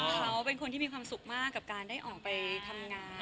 เขาเป็นคนที่มีความสุขมากกับการได้ออกไปทำงาน